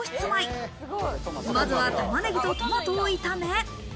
まずは玉ねぎとトマトを炒め。